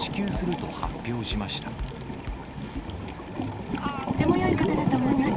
とてもよいことだと思います。